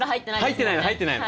入ってないの入ってないの。